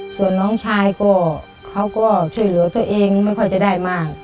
ส่วนน้องชายก็เขาก็ช่วยเหลือตัวเองไม่ค่อยจะได้มาก